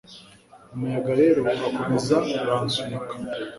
umuyaga rero urakomeza uransunika